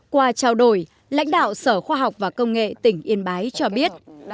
qua trao đổi lãnh đạo sở khoa học và công nghệ tỉnh yên bái cho biết